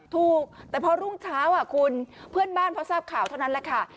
ถูกแต่พอรุ่งเช้าคุณเพื่อนบ้านพอทราบข่าวเท่านั้นแหละค่ะ